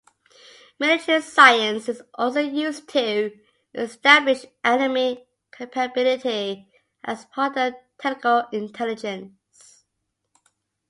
Military science is also used to establish enemy capability as part of technical intelligence.